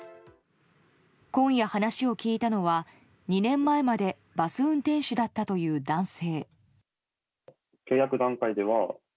今夜、話を聞いたのは２年前までバス運転手だったという男性。